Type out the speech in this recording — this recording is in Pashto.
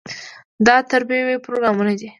دا تربیوي پروګرامونه دي.